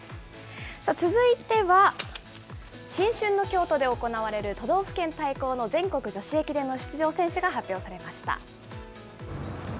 続いては、新春の京都で行われる都道府県対抗の全国女子駅伝の出場選手が発表されました。